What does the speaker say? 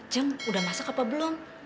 jam udah masak apa belum